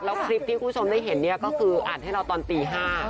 แล้วคลิปที่คุณผู้ชมได้เห็นเนี่ยก็คืออัดให้เราตอนตี๕